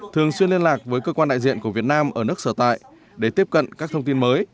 thường xuyên liên lạc với cơ quan đại diện của việt nam ở nước sở tại để tiếp cận các thông tin mới